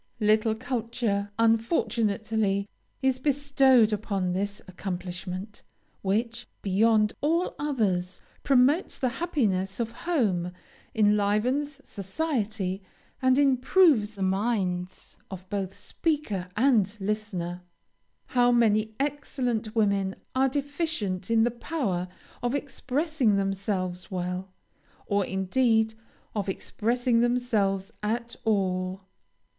Little culture, unfortunately, is bestowed upon this accomplishment, which, beyond all others, promotes the happiness of home, enlivens society, and improves the minds of both speaker and listener. How many excellent women are deficient in the power of expressing themselves well, or, indeed, of expressing themselves at all!